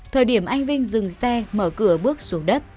thời điểm anh vinh dừng xe mở cửa bước xuống đất